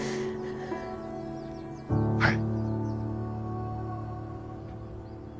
はい。